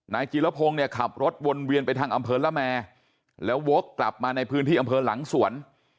จีรพงศ์เนี่ยขับรถวนเวียนไปทางอำเภอละแมแล้ววกกลับมาในพื้นที่อำเภอหลังสวน